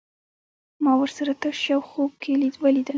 ما ورسره تش يو خوب کې وليدل